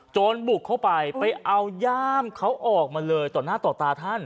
บุกเข้าไปไปเอาย่ามเขาออกมาเลยต่อหน้าต่อตาท่าน